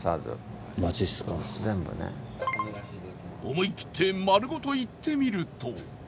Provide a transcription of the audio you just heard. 思い切って丸ごといってみると。